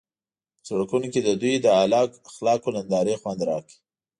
په سړکونو کې د دوی د اعلی اخلاقو نندارې خوند راکړ.